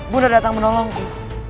bunda datang menolongku